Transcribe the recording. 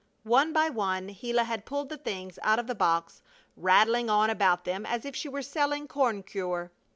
One by one Gila had pulled the things out of the box, rattling on about them as if she were selling corn cure.